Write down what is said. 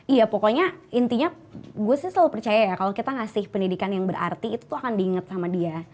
iya pokoknya intinya gue sih selalu percaya ya kalau kita ngasih pendidikan yang berarti itu tuh akan diinget sama dia